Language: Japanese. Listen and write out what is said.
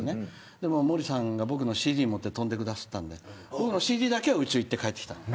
でも、毛利さんが僕のＣＤ持って飛んでくださったんで僕のＣＤだけは宇宙行って帰ってきたの。